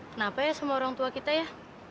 kenapa ya sama orang tua kita ya